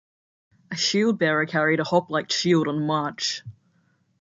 A shield bearer carried a hoplite's shield on the march.